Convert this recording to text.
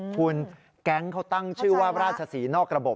คุณแก๊งเขาตั้งชื่อว่าราชศรีนอกระบบ